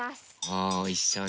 おいしそう。